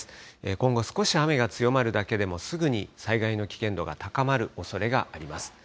今後、少し雨が強まるだけでもすぐに災害の危険度が高まるおそれがあります。